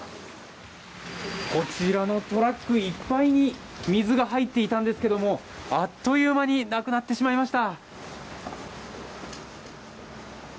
こちらのトラックいっぱいに水が入っていましたがあっという間になくなってしまいました。